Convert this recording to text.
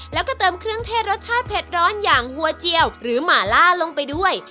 แล้วก็เติมเครื่องเทศรสชาติเผ็ดร้อนอย่างหัวเจียวหรือหมาล่าลงไปด้วย